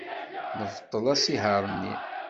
Nebṭel asihaṛ-nni.